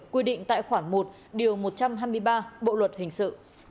quy định tại khoản một điều một trăm hai mươi ba bộ luật hình sự